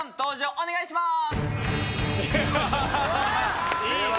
お願いします。